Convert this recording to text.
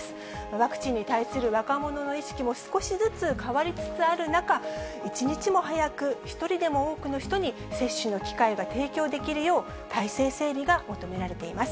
ワクチンに対する若者の意識も少しずつ変わりつつある中、一日も早く一人でも多くの人に、接種の機会が提供できるよう、体制整備が求められています。